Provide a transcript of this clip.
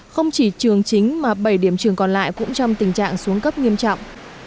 không chỉ trường chính mà bảy điểm trường còn lại cũng trong tình trạng xuống cấp nghiêm trọng